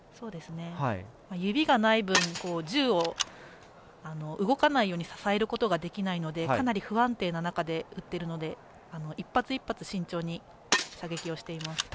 指がない分銃が動かないように支えることができないのでかなり不安定な中で撃っているので一発一発慎重に射撃をしています。